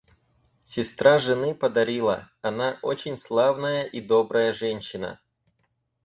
Сестра жены подарила — она очень славная и добрая женщина.